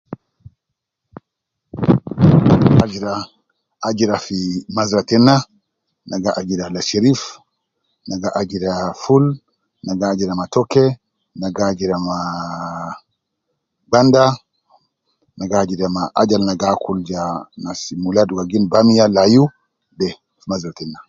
Ajira fi mazra teina ne gaajira leserif ne gajira ful, ne gajira matoke be gajira gwanda ne gajira haja Al negakul ja layu, negajira fi mazra teina